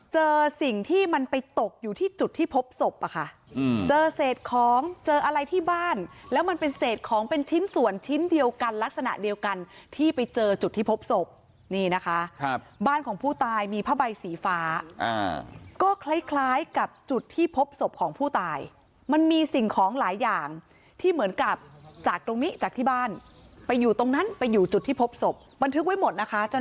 เจอสิ่งที่มันไปตกอยู่ที่จุดที่พบศพอะค่ะเจอเศษของเจออะไรที่บ้านแล้วมันเป็นเศษของเป็นชิ้นส่วนชิ้นเดียวกันลักษณะเดียวกันที่ไปเจอจุดที่พบศพนี่นะคะบ้านของผู้ตายมีผ้าใบสีฟ้าก็คล้ายคล้ายกับจุดที่พบศพของผู้ตายมันมีสิ่งของหลายอย่างที่เหมือนกับจากตรงนี้จากที่บ้านไปอยู่ตรงนั้นไปอยู่จุดที่พบศพบันทึกไว้หมดนะคะจน